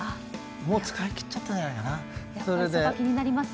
使い切っちゃったんじゃないかな。